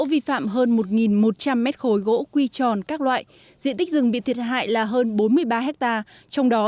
vi phạm hơn một một trăm linh mét khối gỗ quy tròn các loại diện tích rừng bị thiệt hại là hơn bốn mươi ba ha trong đó